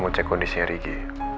saya mau cek kondisinya ricky